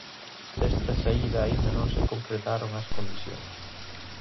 Desta saída aínda non se concretaron as condicións.